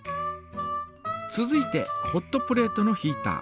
続いてホットプレートのヒータ。